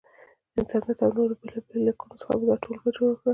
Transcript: انټرنېټ او نورو بېلابېلو لیکنو څخه مې دا ټولګه جوړه کړه.